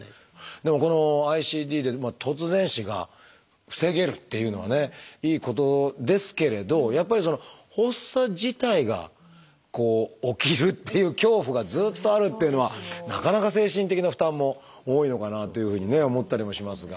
でもこのＩＣＤで突然死が防げるっていうのはねいいことですけれどやっぱり発作自体が起きるっていう恐怖がずっとあるっていうのはなかなか精神的な負担も多いのかなというふうにね思ったりもしますが。